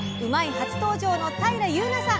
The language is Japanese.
初登場の平祐奈さん